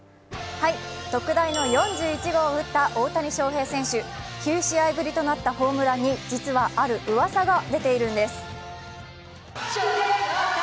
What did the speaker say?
特大の４１号を打った大谷翔平選手９試合ぶりとなったホームランに実は、あるうわさが出ているんです。